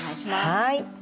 はい。